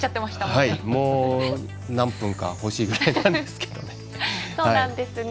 もう何分か欲しいぐらいですけど。